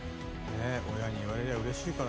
親に言われりゃ嬉しいからな。